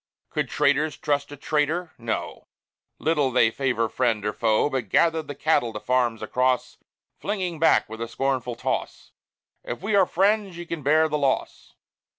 Could traitors trust a traitor? No! Little they favor friend or foe, But gathered the cattle the farms across, Flinging back, with a scornful toss, "If ye are friends ye can bear the loss!"